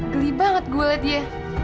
geli banget gue oleh dia